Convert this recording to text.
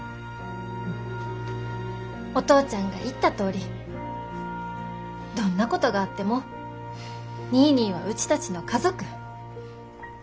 お父ちゃんが言ったとおりどんなことがあってもニーニーはうちたちの家族。